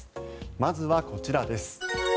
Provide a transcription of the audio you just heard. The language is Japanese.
まずはこちらです。